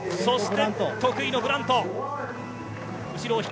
そして得意のグラント。